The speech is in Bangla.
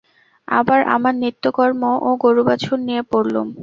আবার আমার নিত্যকর্ম এবং গোরুবাছুর নিয়ে পড়লুম।